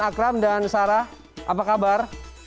akram dan sarah apa kabar